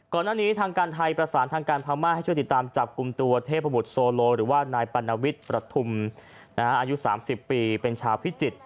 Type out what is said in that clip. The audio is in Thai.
ก่อนหน้านี้ทางการไทยประสานทางการพม่าให้ช่วยติดตามจับกลุ่มตัวเทพบุตรโซโลหรือว่านายปัณวิทย์ประทุมอายุ๓๐ปีเป็นชาวพิจิตร